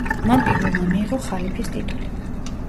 მან პირველმა მიიღო ხალიფის ტიტული.